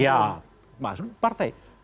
ya masuk partai